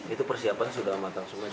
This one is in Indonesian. itu persiapan sudah matang semua